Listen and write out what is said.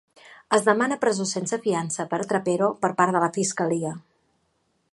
Es demana presó sense fiança per a Trapero per part de la Fiscalia.